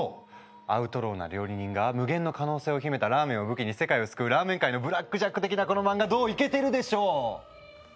アウトローな料理人が無限の可能性を秘めたラーメンを武器に世界を救うラーメン界の「ブラック・ジャック」的なこの漫画どうイケてるでしょう？